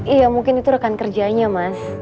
iya mungkin itu rekan kerjanya mas